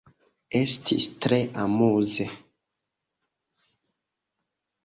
Estis tre amuze!